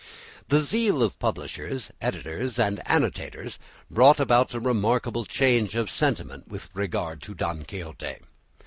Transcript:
The zeal of publishers, editors, and annotators brought about a remarkable change of sentiment with regard to "Don Quixote."